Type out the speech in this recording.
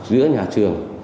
giữa nhà trường